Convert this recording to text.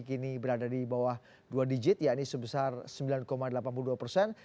kini berada di bawah dua digit yakni sebesar sembilan delapan puluh dua persen